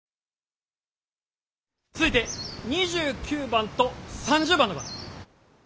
続いて２９番と３０番の方。